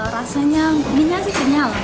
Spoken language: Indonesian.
rasanya mie nya sih kenyal